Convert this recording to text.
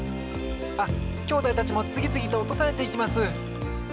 あっきょうだいたちもつぎつぎとおとされていきます！